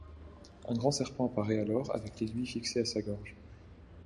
Un grand serpent apparaît alors avec l'aiguille fixée à sa gorge.